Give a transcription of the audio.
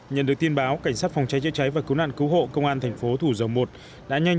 nhận được tin báo cảnh sát phòng cháy chế cháy và cứu nạn cứu hộ công an tp thủ dầu một đã nhanh